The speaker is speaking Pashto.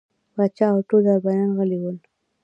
پاچا او ټول درباريان غلي ول.